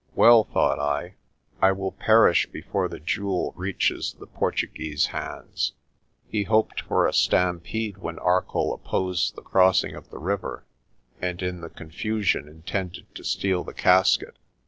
Well, thought I, I will perish before the jewel reaches the Portu guese's hands. He hoped for a stampede when Arcoll op posed the crossing of the river, and in the confusion intended to steal the casket.